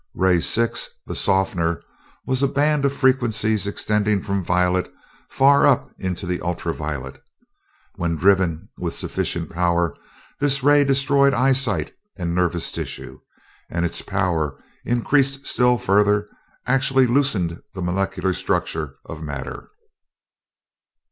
Ray six, "the softener," was a band of frequencies extending from violet far up into the ultra violet. When driven with sufficient power, this ray destroyed eyesight and nervous tissue, and its power increased still further, actually loosened the molecular structure of matter.